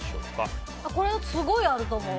これはすごいあると思う。